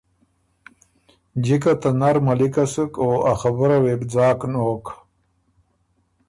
جِکه ته نر ملِکه سُک او ا خبُره وې بو ځاک نوک۔